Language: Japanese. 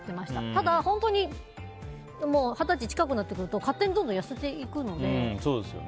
ただ、本当に二十歳近くなってくると勝手にどんどん痩せていくので。